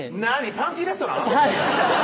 パンティーレストラン？